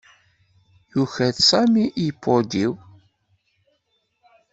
Yuker Sami iPod-iw.